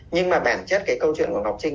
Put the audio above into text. nhưng mà bản chất cái câu chuyện của ngọc trinh